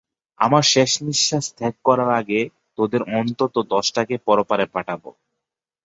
আমার শেষ নিঃশ্বাস ত্যাগ করার আগে তোদের অন্তত দশটাকে পরপারে পাঠাবো।